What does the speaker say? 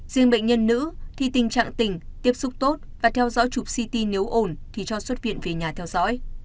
riêng bệnh nhân nữ thì tình trạng tỉnh tiếp xúc tốt và theo dõi chụp ct nếu ổn thì cho xuất viện về nhà theo dõi